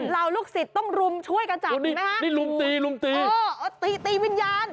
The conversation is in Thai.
เราลูกศิษย์ต้องรุ้มช่วยกันจับนี่ไหมเนี่ยนะตายตีวิญญาณ